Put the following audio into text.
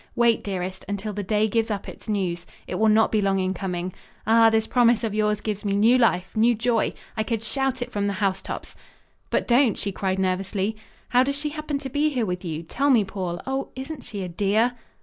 Wait, dearest, until the day gives up its news. It will not be long in coming. Ah, this promise of yours gives me new life, new joy. I could shout it from the housetops!" "But don't!" she cried nervously. "How does she happen to be here with you? Tell me, Paul. Oh, isn't she a dear?"